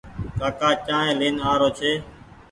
ڪآڪآ چآنه لين آرو ڇي۔